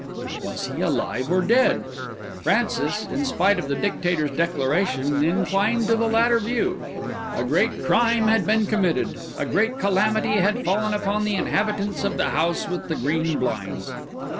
Was he alive or dead? Francis, in spite of the Dictator's declaration, inclined to the latter view. A great crime had been committed; a great calamity had fallen upon the inhabitants of the house with the green blinds.